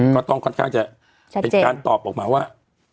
ก็ต้องค่อนข้างจะเป็นการตอบออกมาว่า